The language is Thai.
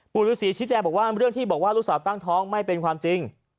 ฤษีชี้แจงบอกว่าเรื่องที่บอกว่าลูกสาวตั้งท้องไม่เป็นความจริง